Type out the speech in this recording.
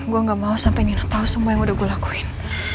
gue gak mau sampai nih tahu semua yang udah gue lakuin